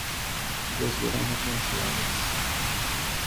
Los veranos son suaves.